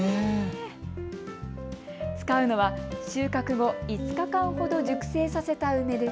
使うのは収穫後、５日間ほど熟成させた梅です。